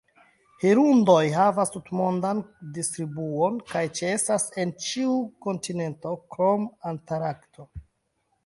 Hirundoj havas tutmondan distribuon, kaj ĉeestas en ĉiu kontinento krom Antarkto.